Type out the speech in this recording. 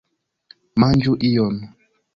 Manĝu ion!